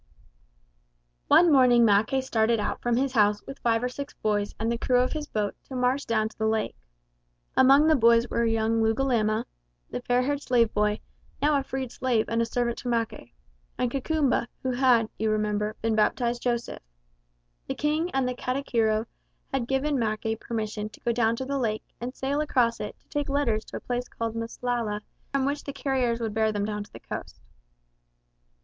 One morning Mackay started out from his house with five or six boys and the crew of his boat to march down to the lake. Among the boys were young Lugalama the fair haired slave boy, now a freed slave and a servant to Mackay and Kakumba, who had (you remember) been baptised Joseph. The King and the Katikiro had given Mackay permission to go down to the lake and sail across it to take letters to a place called Msalala from which the carriers would bear them down to the coast.